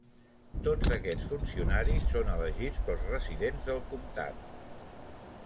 Tots aquests funcionaris són elegits pels residents del comtat.